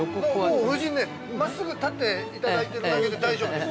◆もう夫人ね、真っすぐ立っていただいているだけで大丈夫です。